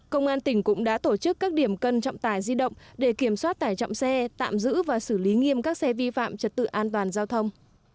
công an tỉnh cũng đã tổ chức các điểm cân trọng tải di động để kiểm soát tải trọng xe tạm giữ và xử lý nghiêm các xe vi phạm trật tự an toàn giao thông